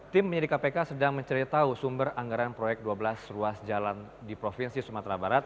tim penyidik kpk sedang mencari tahu sumber anggaran proyek dua belas ruas jalan di provinsi sumatera barat